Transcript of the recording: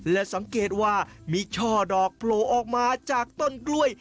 และสังเกตว่ามีช่อดอกโผล่ออกมาจากต้นกล้วย